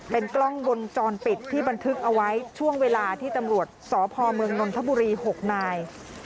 เป็นกล้องบนจรปิดที่บันทึกเอาไว้ช่วงเวลาที่ตำรวจสพเมืองนนทบุรี๖นาย